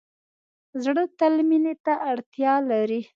زړه تل مینې ته اړتیا لري.